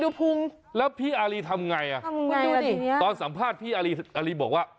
ดูพุงนี่แล้วพี่อารีย์ทำไงตอนสัมภาษณ์พี่อารีย์บอกว่า